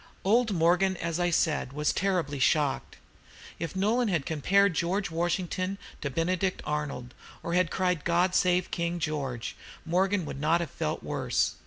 Old Morgan, as I said, was terribly shocked. If Nolan had compared George Washington to Benedict Arnold, or had cried, "God save King George," Morgan would not have felt worse.